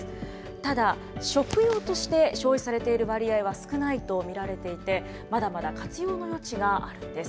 ただ、食用として消費されている割合は少ないと見られていて、まだまだ活用の余地があるんです。